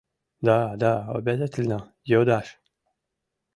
Да, да, обязательно йодаш!